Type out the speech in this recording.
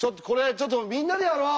ちょっとみんなでやろう！